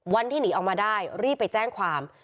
วันที่หนีออกมาได้รีบไปแจ้งความ